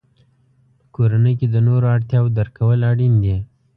په کورنۍ کې د نورو اړتیاوو درک کول اړین دي.